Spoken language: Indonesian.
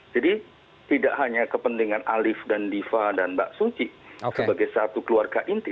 jadi tidak hanya kepentingan alif dan diva dan mbak suci sebagai satu keluarga inti